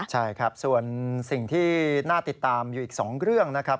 ใช่ครับส่วนสิ่งที่น่าติดตามอยู่อีก๒เรื่องนะครับ